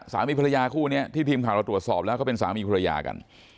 สามีภรรยาคู่นี้ที่ทีมข่าวเราตรวจสอบแล้วเขาเป็นสามีภรรยากัน